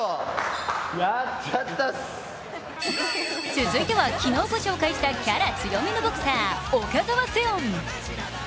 続いては昨日ご紹介したキャラ強めのボクサー・岡澤セオン。